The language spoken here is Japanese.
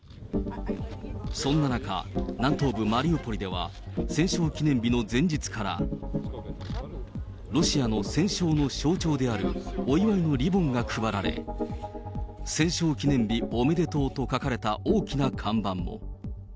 そんな中、南東部マリウポリでは、戦勝記念日の前日から、ロシアの戦勝の象徴であるお祝いのリボンが配られ、戦勝記念日おめでとうと書かれた大きな看板も。